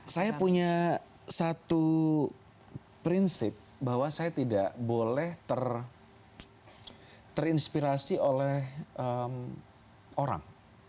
saya punya satu prinsip bahwa saya tidak boleh terinspirasi oleh orang